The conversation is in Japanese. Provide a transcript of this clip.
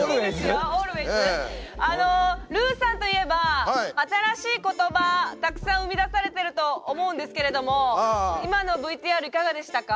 あのルーさんといえば新しい言葉たくさん生み出されてると思うんですけれども今のＶＴＲいかがでしたか？